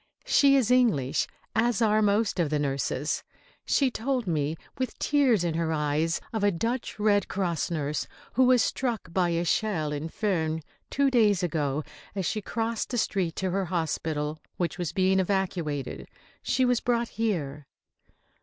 She is English, as are most of the nurses. She told me with tears in her eyes of a Dutch Red Cross nurse who was struck by a shell in Furnes, two days ago, as she crossed the street to her hospital, which was being evacuated. She was brought here.